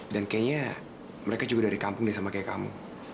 dan kayaknya mereka juga dari kampung deh sama kayak kamu